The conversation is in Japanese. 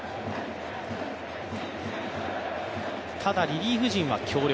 ただリリーフ陣は強力。